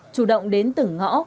chủ động đến từng ngõ